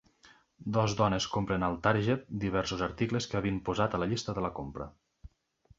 Dos dones compren al Target diversos articles que havien posat a la llista de la compra.